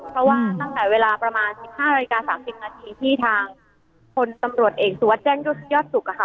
เพราะว่าตั้งแต่เวลาประมาณ๑๕นาฬิกา๓๐นาทีที่ทางพลตำรวจเอกสุวัสดิแจ้งยอดสุขอะค่ะ